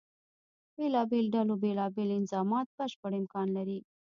بېلابېلو ډلو بیلا بیل انظامات بشپړ امکان لري.